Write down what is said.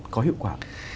có hiệu quả